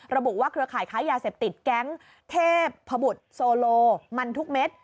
ระบุว่าเครือข่ายค้ายาเสพติดแก๊งเทพพบุตรโซโลมันทุกเม็ด